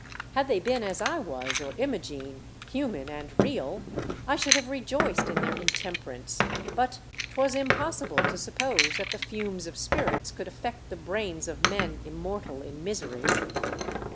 Had they been as I was or Imogene — human and real — I should have rejoiced in their intemper ance ; but 'twas impossible to suppose that the fumes of spirits could affect the brains of men immortal in misery.